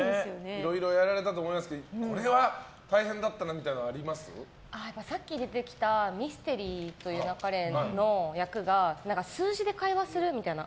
いろいろやられたと思いますがこれは大変だったなみたいなのさっき出てきた「ミステリと言う勿れ」の役が数字で会話するみたいな。